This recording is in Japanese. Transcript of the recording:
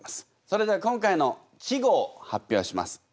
それでは今回の稚語を発表します。